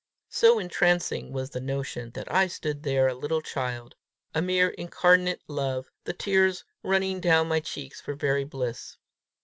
So entrancing was the notion, that I stood there a little child, a mere incarnate love, the tears running down my checks for very bliss.